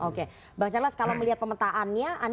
oke bang charles kalau melihat pemetaannya